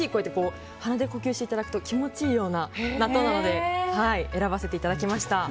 鼻で呼吸していただくと気持ちいいような納豆なので選ばせていただきました。